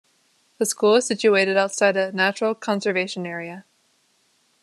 The school is situated outside a natural conservation area.